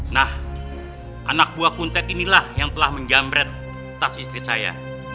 nah anak buah kuntet inilah yang telah menjamret tas istri saya